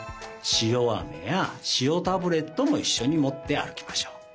塩あめや塩タブレットもいっしょにもってあるきましょう。